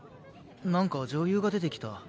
なんか女優が出てきた。